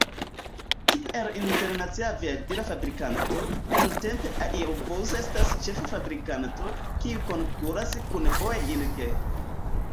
Kiel internacia aviadila fabrikanto, nuntempe Airbus estas ĉefa fabrikanto, kiu konkuras kun Boeing.